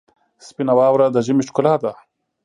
سپینه واوره د ژمي ښکلا ده.